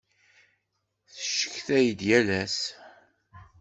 Tecetkayeḍ yal ass.